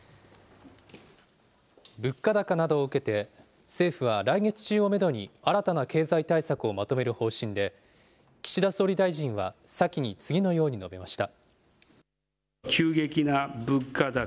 物価高などを受けて、政府は来月中をメドに新たな経済対策をまとめる方針で、岸田総理大臣は先に、次のように述べました。